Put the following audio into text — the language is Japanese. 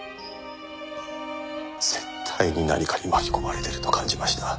絶対に何かに巻き込まれてると感じました。